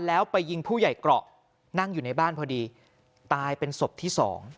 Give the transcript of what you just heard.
แล้วไปยิงผู้ใหญ่เกราะนั่งอยู่ในบ้านพอดีตายเป็นศพที่๒